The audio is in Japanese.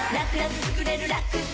つくれるラクサ